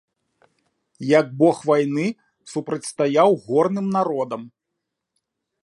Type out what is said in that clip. Як бог вайны, супрацьстаяў горным народам.